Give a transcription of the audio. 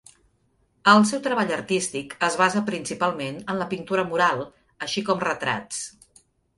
El seu treball artístic es basa principalment en la pintura mural, així com retrats.